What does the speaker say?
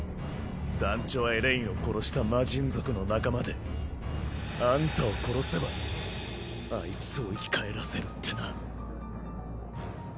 団ちょはエレインを殺した魔神族の仲間であんたを殺せばあいつを生き返らせるってな。